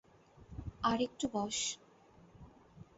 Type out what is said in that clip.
আর একটু বস।